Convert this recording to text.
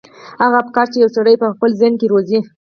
هغه افکار چې يو سړی يې په خپل ذهن کې روزي.